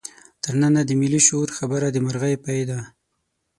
تر ننه د ملي شعور خبره د مرغۍ پۍ ده.